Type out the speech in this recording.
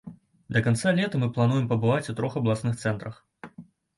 Да канца лета мы плануем пабываць у трох абласных цэнтрах.